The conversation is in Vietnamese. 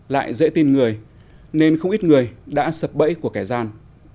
lại dễ tin người nên không ít người đã sập bẫy của kẻ gian